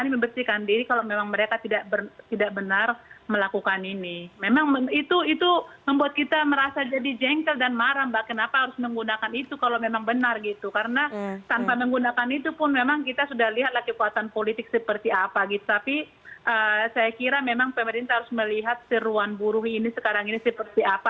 melihat seruan buruh ini sekarang ini seperti apa